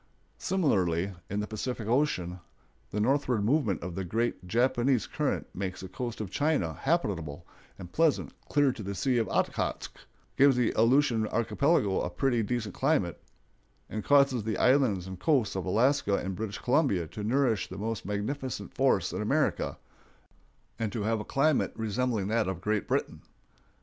Similarly, in the Pacific Ocean, the northward movement of the great Japanese current makes the coast of China habitable and pleasant clear to the Sea of Okhotsk, gives the Aleutian archipelago a pretty decent climate, and causes the islands and coasts of Alaska and British Columbia to nourish the most magnificent forests in America, and to have a climate resembling that of Great Britain.